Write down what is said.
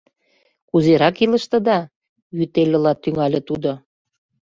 — Кузерак илыштыда? — вӱтельыла тӱҥале тудо.